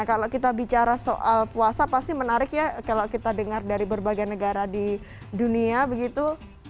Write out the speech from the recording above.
kalau kita bicara soal puasa pasti menarik ya kalau kita dengar dari berbagai negara di dunia begitu